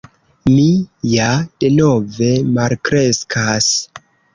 “Mi ja denove malkreskas.”